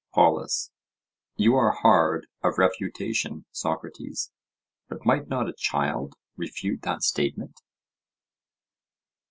POLUS: You are hard of refutation, Socrates, but might not a child refute that statement?